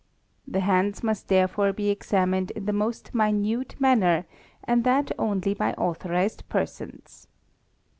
The hands must therefore be examined in the most minute manner and that only by authorised persons.